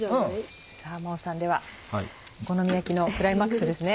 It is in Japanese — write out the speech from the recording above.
真央さんではお好み焼きのクライマックスですね。